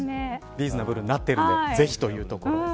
リーズナブルになってるのでぜひ、というところ。